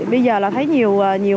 bây giờ là thấy nhiều mẹ